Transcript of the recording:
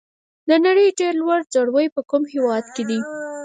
د نړۍ ډېر لوړ ځړوی په کوم هېواد کې دی؟